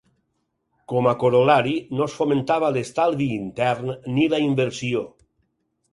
Com a corol·lari no es fomentava l'estalvi intern ni la inversió.